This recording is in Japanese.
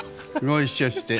ご一緒して。